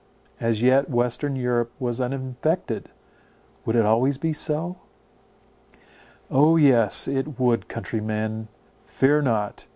As yet western Europe was uninfected; would it always be so? O, yes, it would—Countrymen, fear not!